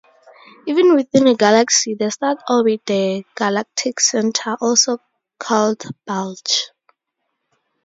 Even within a galaxy, the stars orbit the galactic center, also called bulge.